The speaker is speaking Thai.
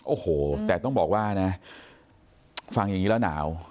โอ้โหแต่ต้องบอกว่านะฟังอย่างนี้แล้วหนาว